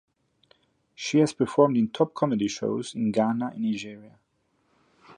She has performed in top Comedy Shows in Ghana and Nigeria.